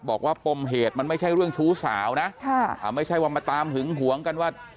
ปมเหตุมันไม่ใช่เรื่องชู้สาวนะไม่ใช่ว่ามาตามหึงหวงกันว่า